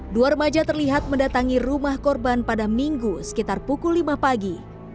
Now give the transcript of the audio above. dua remaja terlihat mendatangi rumah korban pada minggu sekitar pukul lima pagi